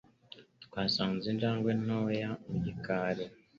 Twasanze injangwe ntoya mu gikari.